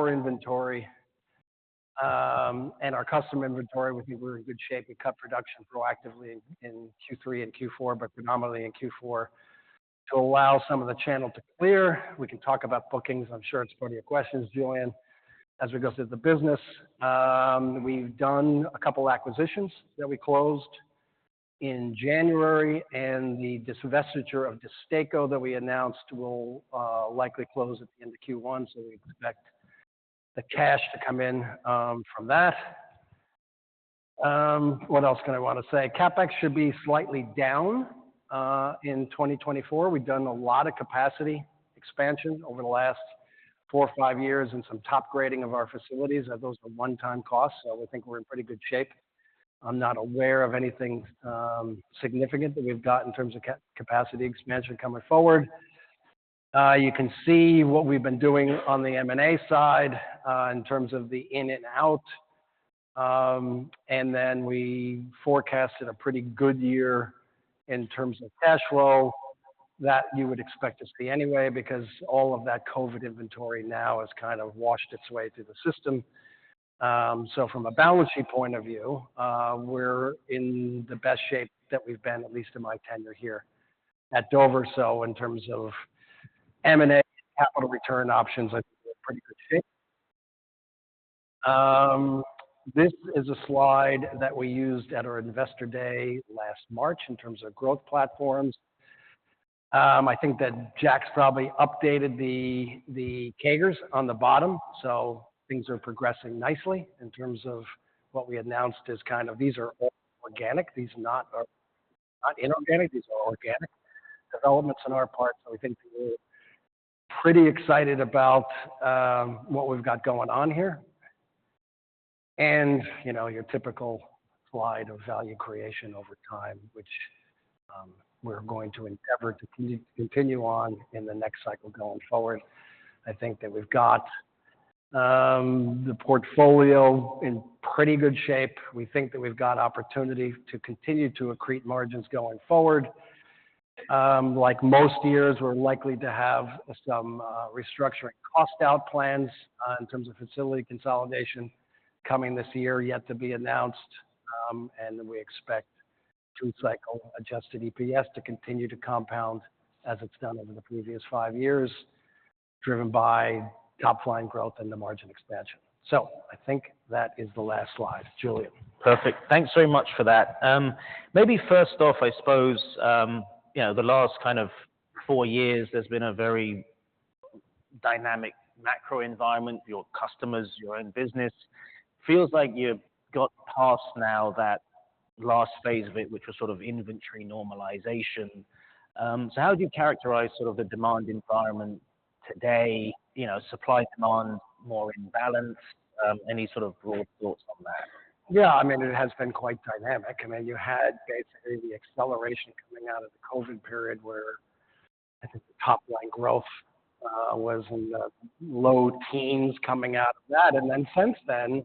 For Inventory, um, and our customer inventory, we think we're in good shape. We cut production proactively in Q3 and Q4, but predominantly in Q4, to allow some of the channel to clear. We can talk about bookings. I'm sure it's part of your questions, Julian, as we go through the business. We've done a couple acquisitions that we closed in January, and the divestiture of Destaco that we announced will likely close at the end of Q1. So we expect the cash to come in from that. What else did I want to say? CapEx should be slightly down, um, in 2024. We've done a lot of capacity expansion over the last four or five years, and some top grading of our facilities, and those are one-time costs, so we think we're in pretty good shape. I'm not aware of anything, um, significant that we've got in terms of capacity expansion coming forward. You can see what we've been doing on the M&A side, in terms of the in and out. And then we forecasted a pretty good year in terms of cash flow. That you would expect to see anyway, because all of that COVID inventory now has kind of washed its way through the system. So from a balancing point of view, we're in the best shape that we've been, at least in my tenure here at Dover. So in terms of M&A capital return options, I think we're in pretty good shape. This is a slide that we used at our Investor Day last March, in terms of growth platforms. I think that Jack's probably updated the CAGRs on the bottom, so things are progressing nicely in terms of what we announced as kind of these are all organic. These are not inorganic, these are all organic developments on our part, so we think we're pretty excited about what we've got going on here. And, you know, your typical slide of value creation over time, which we're going to endeavor to continue on in the next cycle going forward. I think that we've got the portfolio in pretty good shape. We think that we've got opportunity to continue to accrete margins going forward. Like most years, we're likely to have some restructuring cost out plans in terms of facility consolidation coming this year, yet to be announced. And then we expect through-cycle adjusted EPS to continue to compound as it's done over the previous five years, driven by top-line growth and the margin expansion. So I think that is the last slide, Julian. Perfect. Thanks very much for that. Maybe first off, I suppose, you know, the last kind of four years, there's been a very dynamic macro environment, your customers, your own business. Feels like you've got past now that last phase of it, which was sort of inventory normalization. So how would you characterize sort of the demand environment today? You know, supply, demand, more in balance, any sort of broad thoughts on that? Yeah, I mean, it has been quite dynamic. I mean, you had basically the acceleration coming out of the COVID period, where I think the top-line growth was in the low teens coming out of that. And then since then,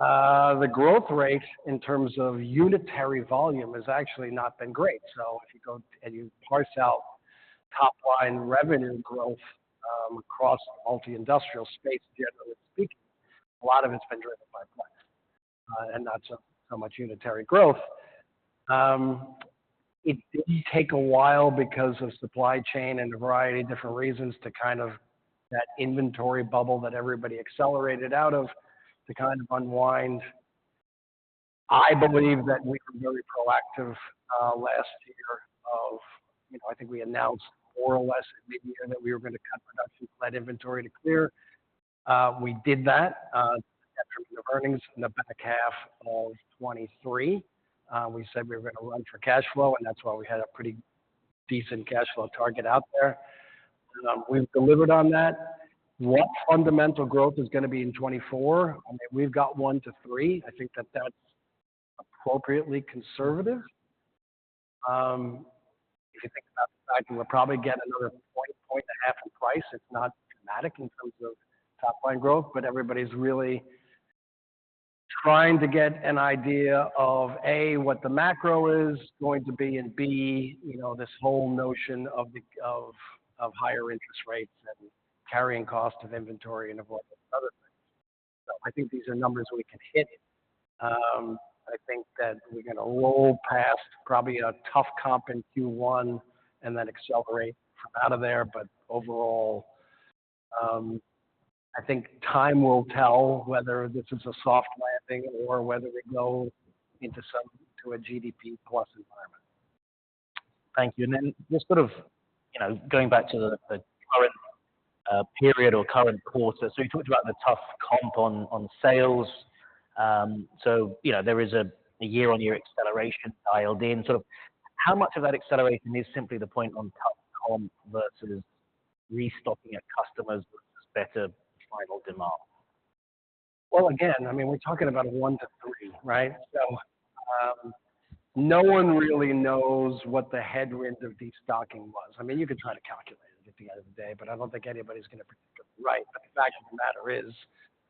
the growth rate in terms of unitary volume has actually not been great. So if you go and you parse out top-line revenue growth, across all the industrial space, generally speaking, a lot of it's been driven by mix, and not so much unitary growth. It did take a while because of supply chain and a variety of different reasons to kind of... That inventory bubble that everybody accelerated out of, to kind of unwind. I believe that we were very proactive last year. You know, I think we announced more or less in midyear that we were going to cut production, let inventory to clear. We did that after the earnings in the back half of 2023. We said we were going to run for cash flow, and that's why we had a pretty decent cash flow target out there. We've delivered on that. What fundamental growth is going to be in 2024? I mean, we've got one to three. I think that that's appropriately conservative. If you think about that, we'll probably get another 1-1.5 in price. It's not dramatic in terms of top-line growth, but everybody's really trying to get an idea of, A, what the macro is going to be, and B, you know, this whole notion of the higher interest rates and carrying cost of inventory and of all those other things. So I think these are numbers we can hit. I think that we're going to roll past probably a tough comp in Q1 and then accelerate out of there. But overall, I think time will tell whether this is a soft landing or whether we go into some to a GDP plus environment. Thank you. Then just sort of, you know, going back to the current period or current quarter. So you talked about the tough comp on sales. So, you know, there is a year-on-year acceleration dialed in. So how much of that acceleration is simply the point on tough comp versus restocking at customers with better final demand? Well, again, I mean, we're talking about a one to three, right? So, no one really knows what the headwind of destocking was. I mean, you could try to calculate it at the end of the day, but I don't think anybody's going to predict it right. But the fact of the matter is.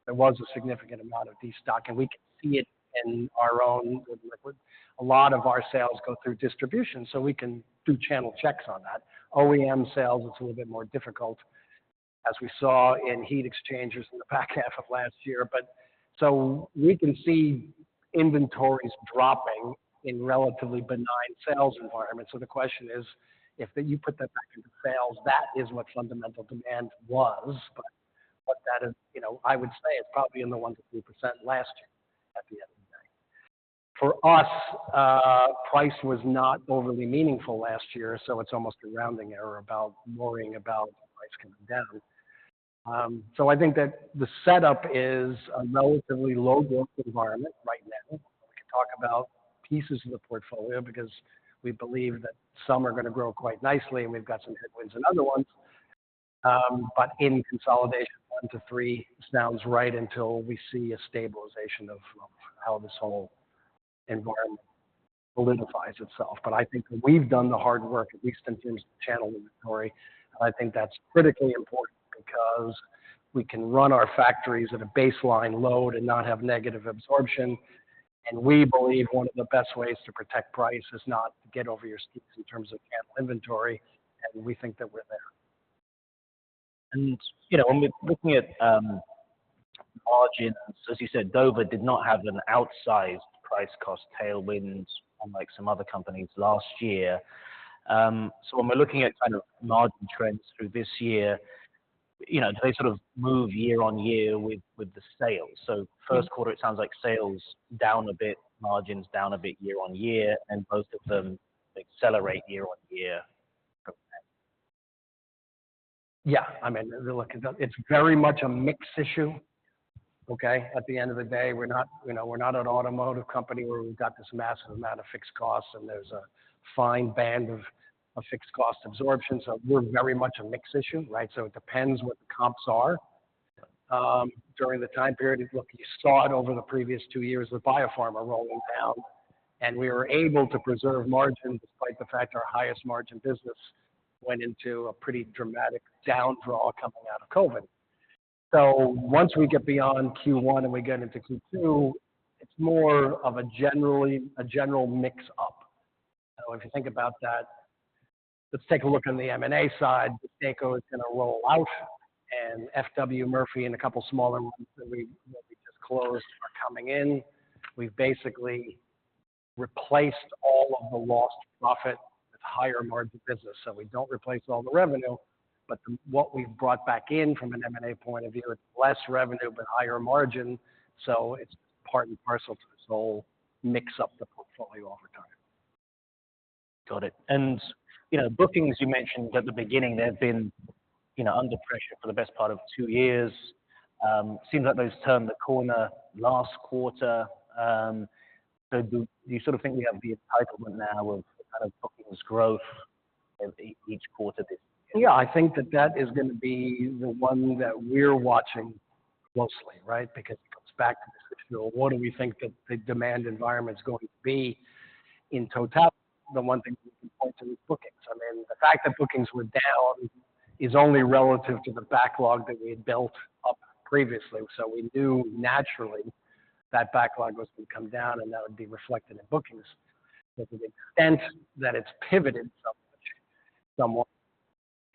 There was a significant amount of destock, and we can see it in our own good look. A lot of our sales go through distribution, so we can do channel checks on that. OEM sales, it's a little bit more difficult, as we saw in heat exchangers in the back half of last year. But so we can see inventories dropping in relatively benign sales environments. So the question is, if then you put that back into sales, that is what fundamental demand was. But what that is, you know, I would say it's probably in the 1%-3% last year at the end of the day. For us, price was not overly meaningful last year, so it's almost a rounding error about worrying about price coming down. So I think that the setup is a relatively low growth environment right now. We can talk about pieces of the portfolio because we believe that some are gonna grow quite nicely, and we've got some headwinds and other ones. But in consolidation, 1%-3% sounds right until we see a stabilization of how this whole environment solidifies itself. But I think that we've done the hard work, at least in terms of channel inventory. I think that's critically important because we can run our factories at a baseline load and not have negative absorption, and we believe one of the best ways to protect price is not get over your skis in terms of channel inventory, and we think that we're there. You know, when we're looking at margins, as you said, Dover did not have an outsized price-cost tailwinds, unlike some other companies last year. So when we're looking at kind of margin trends through this year, you know, do they sort of move year on year with, with the sales? First quarter, it sounds like sales down a bit, margins down a bit year-on-year, and both of them accelerate year-on-year. Yeah, I mean, look, it's very much a mix issue, okay? At the end of the day, we're not, you know, we're not an automotive company where we've got this massive amount of fixed costs, and there's a fine band of fixed cost absorption. So we're very much a mix issue, right? So it depends what the comps are. During the time period, look, you saw it over the previous two years with biopharma rolling down, and we were able to preserve margin despite the fact our highest margin business went into a pretty dramatic downdraw coming out of COVID. So once we get beyond Q1 and we get into Q2, it's more of a general mix-up. So if you think about that, let's take a look on the M&A side. The Destaco is going to roll out, and FW Murphy and a couple of smaller ones that we just closed are coming in. We've basically replaced all of the lost profit with higher margin business, so we don't replace all the revenue, but what we've brought back in from an M&A point of view is less revenue, but higher margin, so it's part and parcel to this whole mix up the portfolio over time. Got it. You know, bookings, you mentioned at the beginning, they've been, you know, under pressure for the best part of two years. Seems like those turned the corner last quarter. So do you sort of think we have the entitlement now of kind of bookings growth in each quarter this year? Yeah, I think that that is gonna be the one that we're watching closely, right? Because it comes back to this issue of what do we think that the demand environment is going to be in totality? The one thing we can point to is bookings. I mean, the fact that bookings were down is only relative to the backlog that we had built up previously. So we knew naturally that backlog was going to come down, and that would be reflected in bookings. And that it's pivoted so much, somewhat.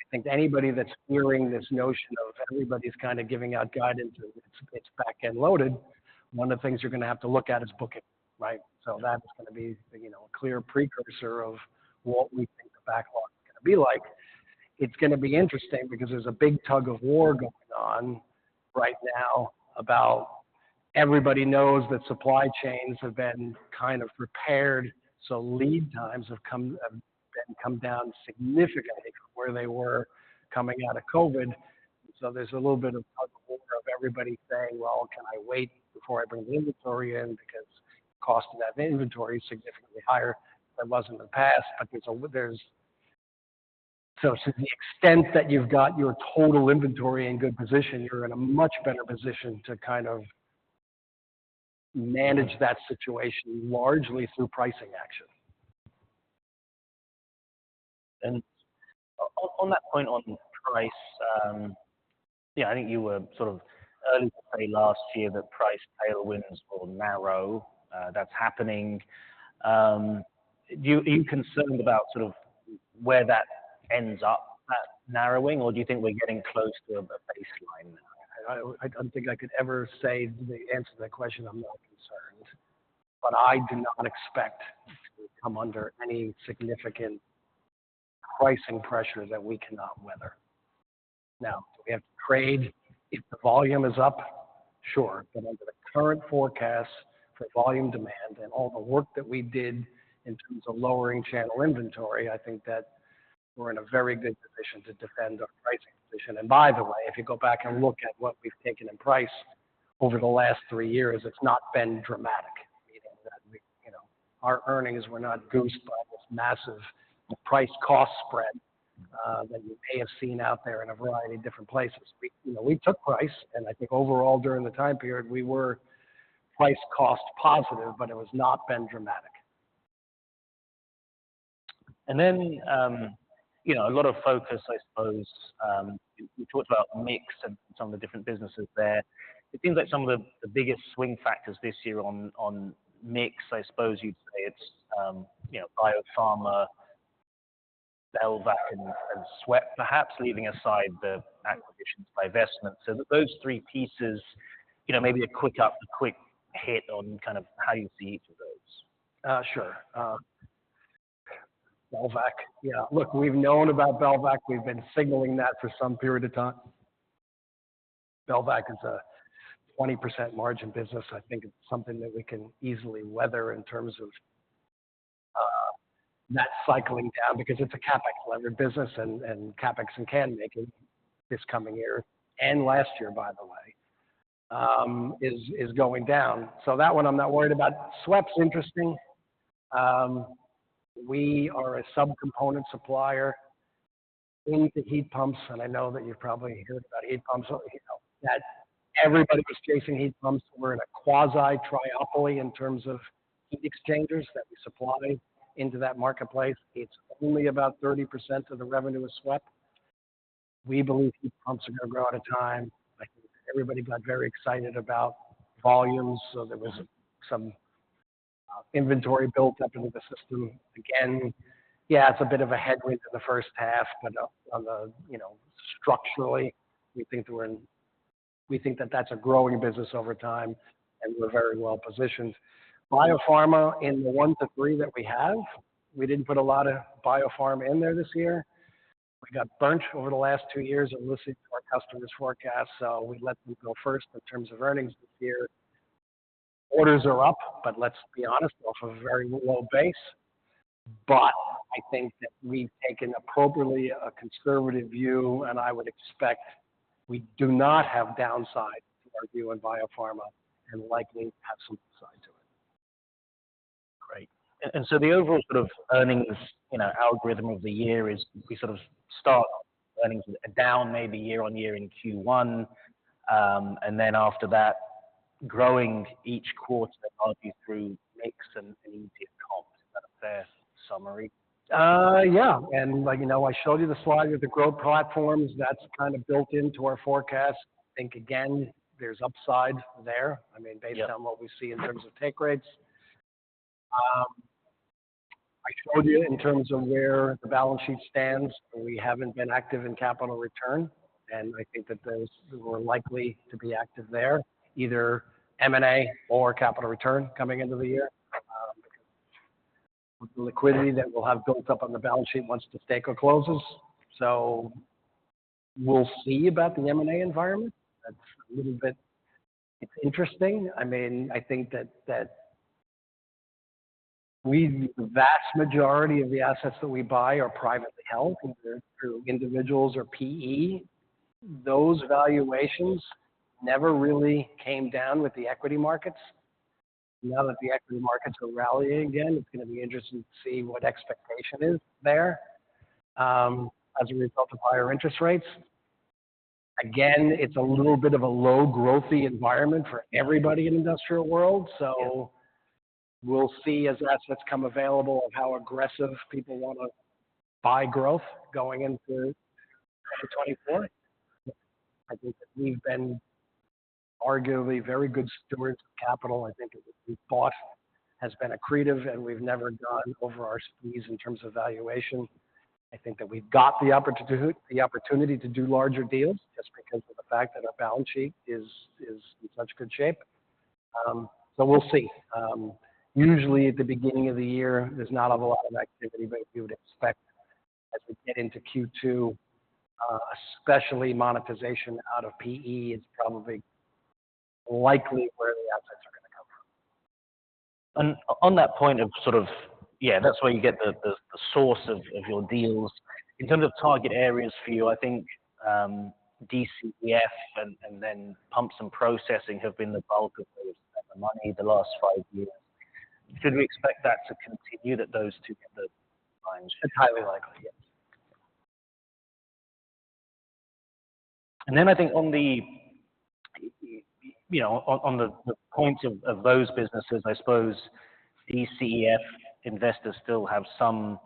I think anybody that's hearing this notion of everybody's kinda giving out guidance, it's back-end loaded. One of the things you're gonna have to look at is booking, right? So that's gonna be, you know, a clear precursor of what we think the backlog is gonna be like. It's gonna be interesting because there's a big tug-of-war going on right now about everybody knows that supply chains have been kind of repaired, so lead times have come down significantly from where they were coming out of COVID. So there's a little bit of tug-of-war of everybody saying, "Well, can I wait before I bring the inventory in? Because cost of that inventory is significantly higher than it was in the past." But there's, so to the extent that you've got your total inventory in good position, you're in a much better position to kind of manage that situation largely through pricing action. On that point on price, yeah, I think you were sort of early to say last year that price tailwinds will narrow. That's happening. Are you concerned about sort of where that ends up, that narrowing, or do you think we're getting close to the baseline now? I don't think I could ever say the answer to that question. I'm more concerned, but I do not expect to come under any significant pricing pressure that we cannot weather. Now, if trade, if the volume is up, sure, but under the current forecast for volume demand and all the work that we did in terms of lowering channel inventory, I think that we're in a very good position to defend our pricing position. And by the way, if you go back and look at what we've taken in price over the last three years, it's not been dramatic. Meaning that, you know, our earnings were not goosed by this massive price-cost spread that you may have seen out there in a variety of different places. We, you know, we took price, and I think overall, during the time period, we were price-cost positive, but it has not been dramatic. ...And then, you know, a lot of focus, I suppose, you talked about mix and some of the different businesses there. It seems like some of the biggest swing factors this year on mix, I suppose you'd say it's, you know, biopharma, Belvac and SWEP, perhaps leaving aside the acquisitions by investments. So those three pieces, you know, maybe a quick up, a quick hit on kind of how you see each of those. Sure. Belvac. Yeah, look, we've known about Belvac. We've been signaling that for some period of time. Belvac is a 20% margin business. I think it's something that we can easily weather in terms of, net cycling down because it's a CapEx levered business, and, and CapEx in can making this coming year, and last year, by the way, is going down. So that one, I'm not worried about. SWEP's interesting. We are a subcomponent supplier into heat pumps, and I know that you've probably heard about heat pumps, you know, that everybody was chasing heat pumps. We're in a quasi-triopoly in terms of heat exchangers that we supply into that marketplace. It's only about 30% of the revenue is SWEP. We believe heat pumps are going to grow out of time. I think everybody got very excited about volumes, so there was some inventory built up into the system. Again, yeah, it's a bit of a headwind in the first half, but on the, you know, structurally, we think we're in, we think that that's a growing business over time, and we're very well positioned. Biopharma, in the one to three that we have, we didn't put a lot of biopharma in there this year. We got bunched over the last two years and listened to our customers' forecasts, so we let them go first in terms of earnings this year. Orders are up, but let's be honest, off a very low base. But I think that we've taken appropriately a conservative view, and I would expect we do not have downside to our view in biopharma and likely have some upside to it. Great. And so the overall sort of earnings, you know, algorithm of the year is we sort of start earnings down maybe year-over-year in Q1, and then after that, growing each quarter, partly through mix and easier comps. Is that a fair summary? Yeah. You know, I showed you the slide with the growth platforms that's kind of built into our forecast. I think, again, there's upside there. Yeah. I mean, based on what we see in terms of take rates. I showed you in terms of where the balance sheet stands, we haven't been active in capital return, and I think that those who are likely to be active there, either M&A or capital return coming into the year, with the liquidity that we'll have built up on the balance sheet once the Destaco closes. So we'll see about the M&A environment. That's a little bit interesting. I mean, I think that the vast majority of the assets that we buy are privately held, either through individuals or PE. Those valuations never really came down with the equity markets. Now that the equity markets are rallying again, it's going to be interesting to see what expectation is there, as a result of higher interest rates. Again, it's a little bit of a low growthy environment for everybody in industrial world. Yeah. So we'll see as assets come available of how aggressive people want to buy growth going into 2024. I think that we've been arguably very good stewards of capital. I think that what we've bought has been accretive, and we've never gone over our skis in terms of valuation. I think that we've got the opportunity to do larger deals just because of the fact that our balance sheet is in such good shape. So we'll see. Usually at the beginning of the year, there's not a lot of activity, but you would expect as we get into Q2, especially monetization out of PE, it's probably likely where the assets are going to come from. And on that point, sort of, yeah, that's where you get the source of your deals. In terms of target areas for you, I think, DCEF and then pumps and processing have been the bulk of the money the last five years. Should we expect that to continue, that those two are the lines? Highly likely, yes. And then I think, you know, on the point of those businesses, I suppose DCEF investors still have some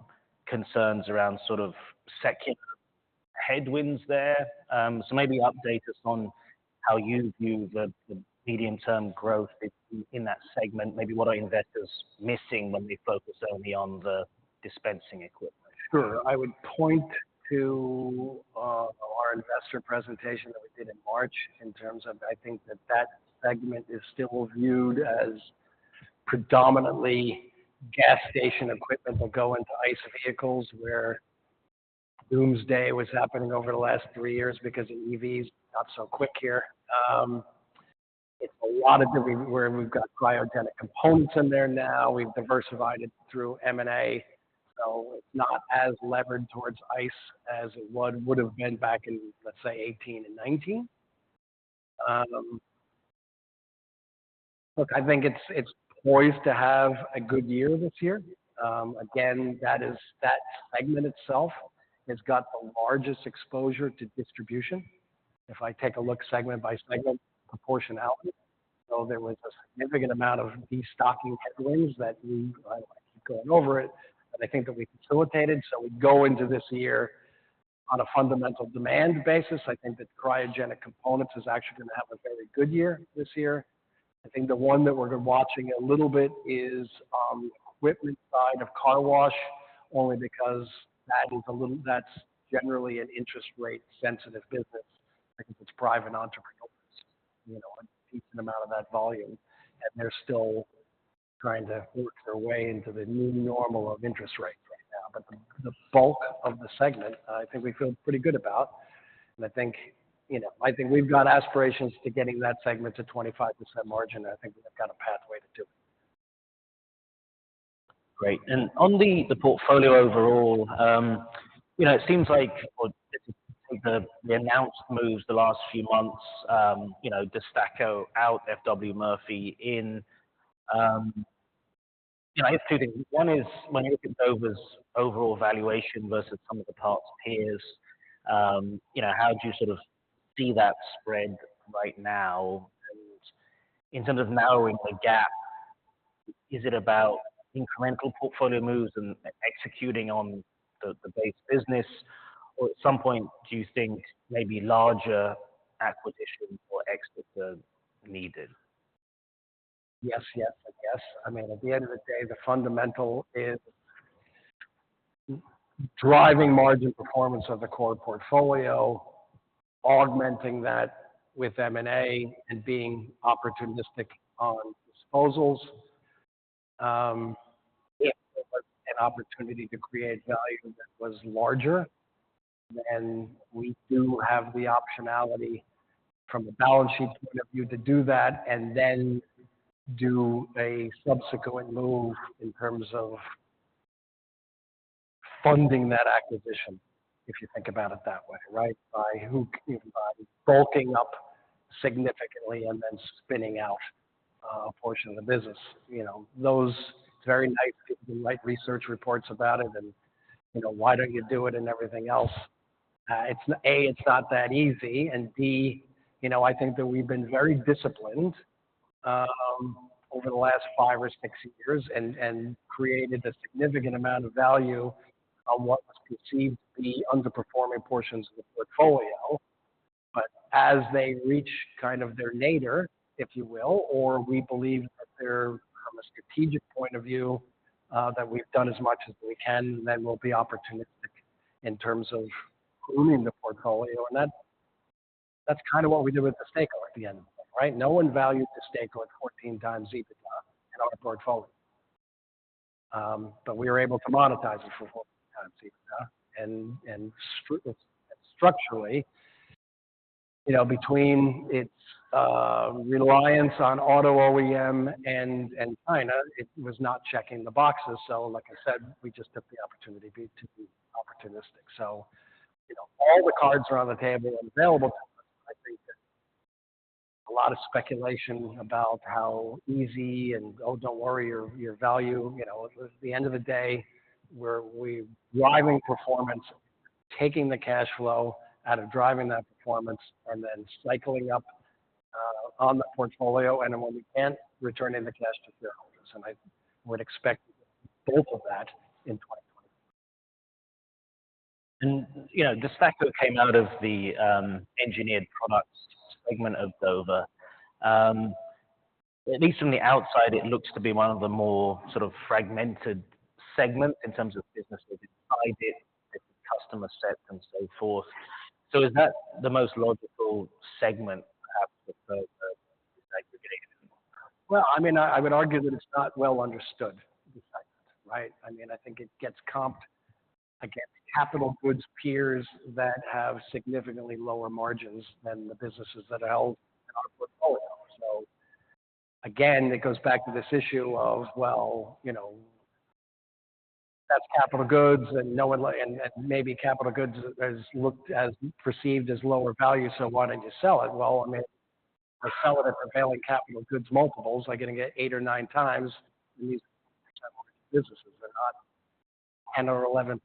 concerns around sort of secular headwinds there. So maybe update us on how you view the medium-term growth in that segment. Maybe what are investors missing when they focus only on the dispensing equipment? Sure. I would point to our investor presentation that we did in March in terms of I think that that segment is still viewed as predominantly gas station equipment will go into ICE vehicles, where doomsday was happening over the last three years because EVs not so quick here. It's a lot of different where we've got cryogenic components in there now. We've diversified it through M&A, so it's not as levered towards ICE as it would, would have been back in, let's say, 2018 and 2019. Look, I think it's poised to have a good year this year. Again, that is, that segment itself has got the largest exposure to distribution.... if I take a look segment by segment, proportionality. So there was a significant amount of destocking headwinds that we, I don't like to keep going over it, but I think that we facilitated. So we go into this year on a fundamental demand basis, I think that cryogenic components is actually going to have a very good year this year. I think the one that we're watching a little bit is the equipment side of car wash, only because that is a little. That's generally an interest rate sensitive business because it's private entrepreneurs, you know, a decent amount of that volume, and they're still trying to work their way into the new normal of interest rates right now. But the bulk of the segment, I think we feel pretty good about. I think, you know, I think we've got aspirations to getting that segment to 25% margin, and I think we've got a pathway to do it. Great. And on the portfolio overall, you know, it seems like or the announced moves the last few months, you know, Destaco out, FW Murphy in, you know, I have two things. One is when you look at Dover's overall valuation versus some of the parts peers, you know, how do you sort of see that spread right now? And in terms of narrowing the gap, is it about incremental portfolio moves and executing on the base business, or at some point, do you think maybe larger acquisitions or exits are needed? Yes, yes, and yes. I mean, at the end of the day, the fundamental is driving margin performance of the core portfolio, augmenting that with M&A and being opportunistic on disposals. If there was an opportunity to create value that was larger, then we do have the optionality from a balance sheet point of view to do that, and then do a subsequent move in terms of funding that acquisition, if you think about it that way, right? By bulking up significantly and then spinning out a portion of the business. You know, those very nice people who write research reports about it and, you know, why don't you do it and everything else? It's A, it's not that easy, and B, you know, I think that we've been very disciplined over the last five or six years and created a significant amount of value on what was perceived to be underperforming portions of the portfolio. But as they reach kind of their nadir, if you will, or we believe that they're from a strategic point of view that we've done as much as we can, then we'll be opportunistic in terms of pruning the portfolio. And that's kind of what we did with the Destaco at the end, right? No one valued the Destaco at 14 times EBITDA in our portfolio. But we were able to monetize it for 14 times EBITDA, and structurally, you know, between its reliance on auto OEM and China, it was not checking the boxes. So, like I said, we just took the opportunity to be opportunistic. So, you know, all the cards are on the table and available to us. I think there's a lot of speculation about how easy and, "Oh, don't worry, your, your value." You know, at the end of the day, we're driving performance, taking the cash flow out of driving that performance, and then cycling up on the portfolio, and then when we can, returning the cash to shareholders. And I would expect both of that in 2020. You know, DESTACO came out of the Engineered Products segment of Dover. At least from the outside, it looks to be one of the more sort of fragmented segments in terms of business diversity, customer set, and so forth. So is that the most logical segment perhaps for consolidating? Well, I mean, I would argue that it's not well understood, right? I mean, I think it gets comped against capital goods peers that have significantly lower margins than the businesses that are held in our portfolio. So again, it goes back to this issue of, well, you know, that's capital goods, and no one like... and, and maybe capital goods is looked as perceived as lower value, so why don't you sell it? Well, I mean, if you sell it at prevailing capital goods multiples, like getting it eight or nine times, these businesses are not 10% or 11%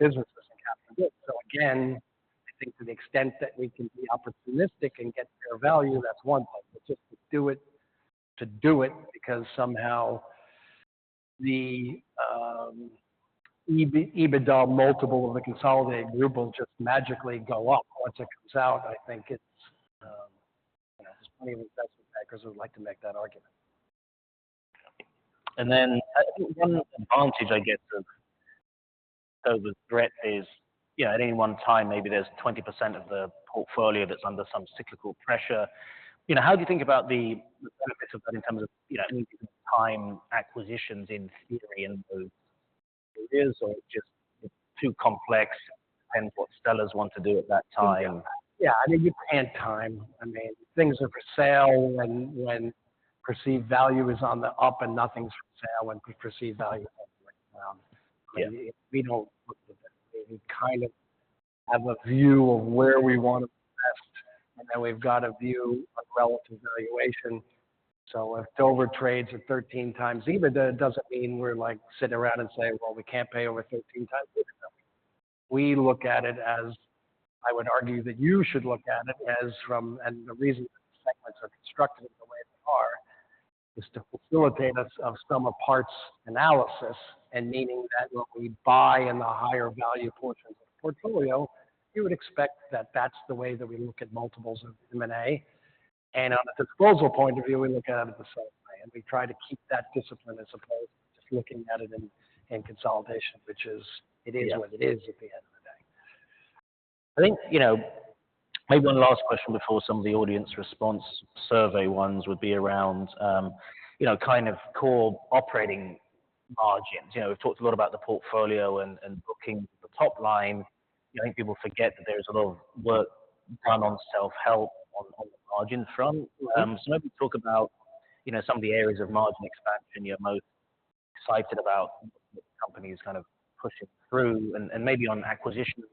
businesses in capital goods. So again, I think to the extent that we can be opportunistic and get fair value, that's one thing. But just to do it, to do it because somehow the EBITDA multiple of the consolidated group will just magically go up once it comes out, I think it's, you know, there's plenty of investment bankers who would like to make that argument. And then one advantage I get of, so the threat is, you know, at any one time, maybe there's 20% of the portfolio that's under some cyclical pressure. You know, how do you think about the benefits of that in terms of, you know, time acquisitions in theory, and so it is or just too complex and what sellers want to do at that time? Yeah, I mean, you pay in time. I mean, things are for sale when, when perceived value is on the up and nothing's for sale, when perceived value is on the way down. Yeah. We don't look at that. We kind of have a view of where we want to invest, and then we've got a view of relative valuation. So if Dover trades at 13x EBITDA, it doesn't mean we're, like, sitting around and saying, "Well, we can't pay over 13x EBITDA." We look at it as, I would argue that you should look at it as from, and the reason the segments are constructed the way they are, is to facilitate a sum of parts analysis, and meaning that what we buy in the higher value portions of the portfolio, you would expect that that's the way that we look at multiples of M&A. On a disposal point of view, we look at it the same way, and we try to keep that discipline as opposed to just looking at it in consolidation, which is, it is what it is at the end of the day. I think, you know, maybe one last question before some of the audience response survey ones would be around, you know, kind of core operating margins. You know, we've talked a lot about the portfolio and, and booking the top line. I think people forget that there's a lot of work done on self-help on, on the margin front. So maybe talk about, you know, some of the areas of margin expansion you're most excited about, companies kind of pushing through and, and maybe on acquisitions,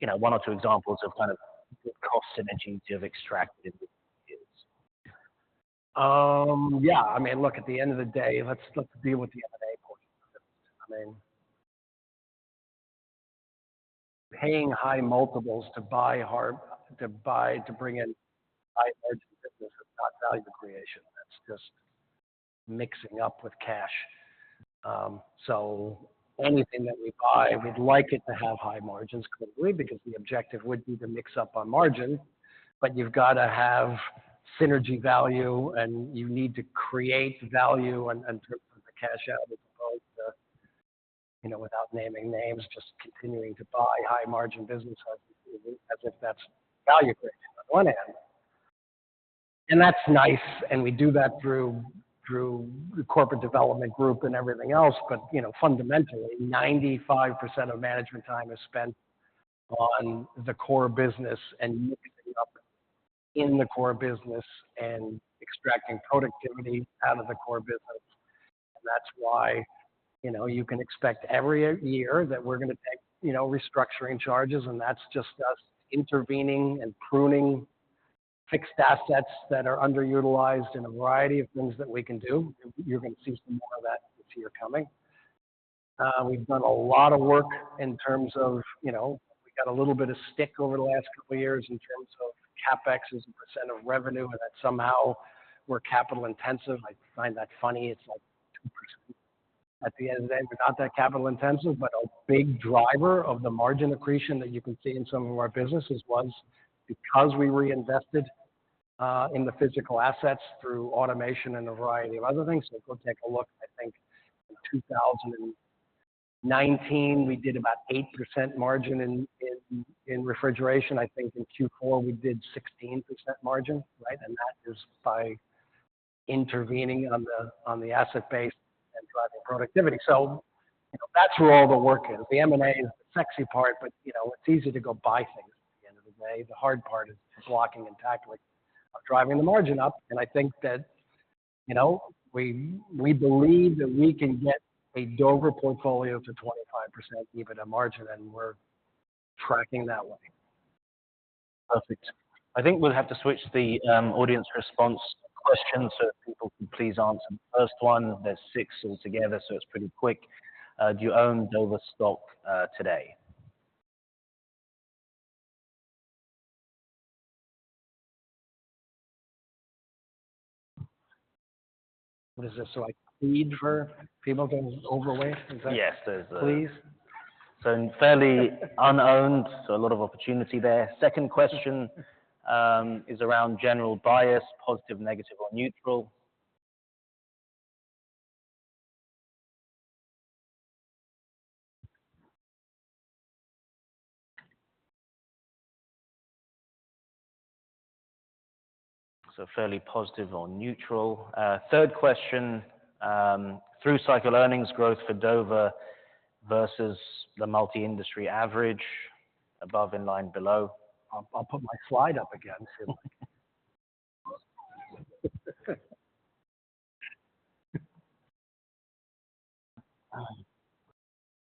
you know, one or two examples of kind of cost synergies you have extracted is. Yeah. I mean, look, at the end of the day, let's deal with the M&A portion. I mean, paying high multiples to buy hard, to buy, to bring in high-margin business, is not value creation. That's just mixing up with cash. So anything that we buy, we'd like it to have high margins, clearly, because the objective would be to mix up on margin, but you've got to have synergy value, and you need to create value and put the cash out as opposed to, you know, without naming names, just continuing to buy high margin business as if that's value creation on one hand. And that's nice, and we do that through the corporate development group and everything else, but you know, fundamentally, 95% of management time is spent on the core business and moving up in the core business and extracting productivity out of the core business. And that's why, you know, you can expect every year that we're gonna take, you know, restructuring charges, and that's just us intervening and pruning fixed assets that are underutilized in a variety of things that we can do. You're gonna see some more of that this year coming. We've done a lot of work in terms of, you know, we got a little bit of stick over the last couple of years in terms of CapEx as a percent of revenue, and that somehow we're capital intensive. I find that funny. It's like 2% at the end of the day. We're not that capital intensive, but a big driver of the margin accretion that you can see in some of our businesses was because we reinvested in the physical assets through automation and a variety of other things. So if you take a look, I think in 2019, we did about 8% margin in refrigeration. I think in Q4, we did 16% margin, right? And that is by intervening on the asset base and driving productivity. So you know, that's where all the work is. The M&A is the sexy part, but, you know, it's easy to go buy things at the end of the day. The hard part is blocking and tackling of driving the margin up, and I think that, you know, we, we believe that we can get a Dover portfolio to 25% EBITDA margin, and we're tracking that way. Perfect. I think we'll have to switch the audience response question so people can please answer the first one. There's six altogether, so it's pretty quick. Do you own Dover stock today? What is this, so I plead for people to own Dover today? Is that- Yes, there's a- Please? So fairly unowned, so a lot of opportunity there. Second question is around general bias, positive, negative, or neutral. So fairly positive or neutral. Third question, through cycle earnings growth for Dover versus the multi-industry average, above, in line, below. I'll put my slide up again, so,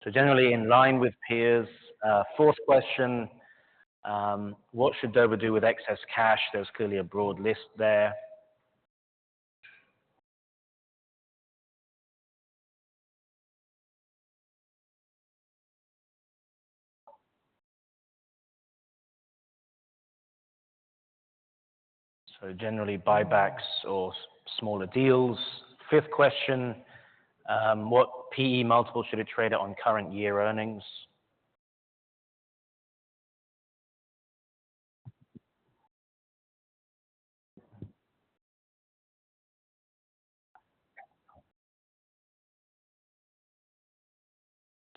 So generally in line with peers. Fourth question, what should Dover do with excess cash? There's clearly a broad list there. So generally, buybacks or smaller deals. Fifth question, what PE multiple should it trade on current year earnings?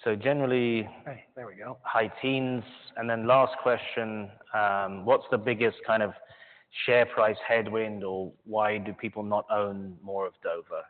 So generally- There we go. High teens. And then last question, what's the biggest kind of share price headwind, or why do people not own more of Dover?